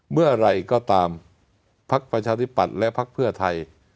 เมื่ออะไรก็ตามภักดิ์ประชาธิบัติและภักดิ์เพื่อไทย